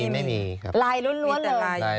ไม่มีไม่มีครับ